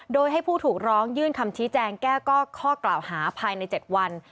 โดยให้ผู้ถูกร้องยื่นคำชี้แจงแก้ข้อกล่าวหาภายใน๗วัน